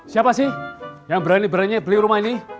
siapa sih yang berani berani beli rumah ini